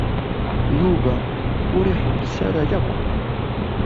Yuba ur iḥebbes ara akk.